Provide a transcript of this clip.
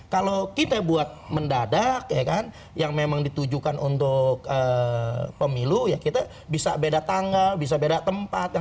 kalau kita buat mendadak ya kan yang memang ditujukan untuk pemilu ya kita bisa beda tanggal bisa beda tempat